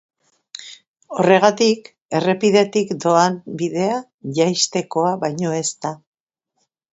Horregatik, errepidetik doan bidea jaistekoa baino ez da.